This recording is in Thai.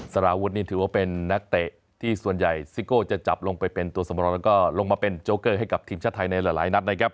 สารวุฒินี่ถือว่าเป็นนักเตะที่ส่วนใหญ่ซิโก้จะจับลงไปเป็นตัวสมรแล้วก็ลงมาเป็นโจ๊เกอร์ให้กับทีมชาติไทยในหลายนัดนะครับ